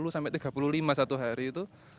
tiga puluh sampai tiga puluh lima satu hari itu